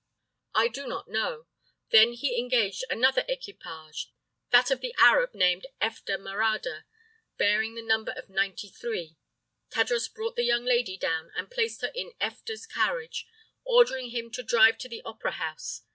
"I do not know. Then he engaged another equipage that of the Arab named Effta Marada, bearing the number of ninety three. Tadros brought the young lady down and placed her in Effta's carriage, ordering him to drive to the opera house.